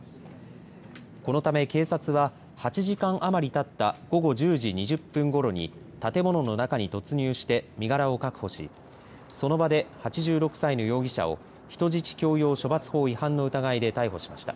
このため警察は８時間余りたった午後１０時２０分ごろに建物の中に突入して身柄を確保しその場で８６歳の容疑者を人質強要処罰法違反の疑いで逮捕しました。